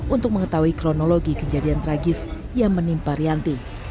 untuk mengetahui kronologi kejadian tragis yang menimpa rianti